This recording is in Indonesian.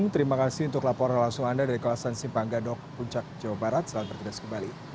terima kasih yang tersendat